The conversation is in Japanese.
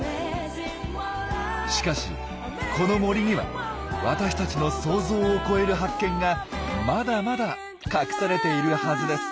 しかしこの森には私たちの想像を超える発見がまだまだ隠されているはずです。